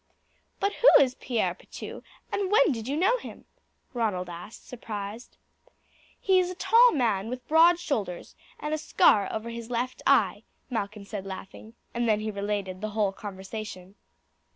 "But who is Pierre Pitou, and when did you know him?" Ronald asked surprised. "He is a tall man with broad shoulders and a scar over his left eye," Malcolm said laughing, and he then related the whole conversation.